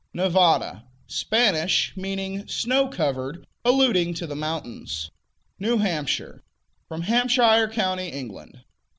Nevada Spanish; meaning "snow covered," alluding to the mountains. New Hampshire From Hampshire county, England.